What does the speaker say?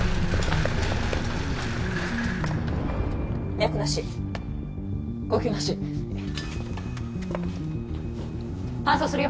脈なし呼吸なし搬送するよ